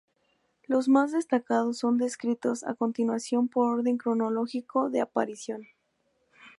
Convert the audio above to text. Los más destacados son descritos a continuación por orden cronológico de aparición.